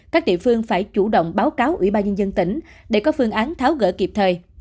các địa phương phải chủ động báo cáo ủy ban nhân dân tỉnh để có phương án tháo gỡ kịp thời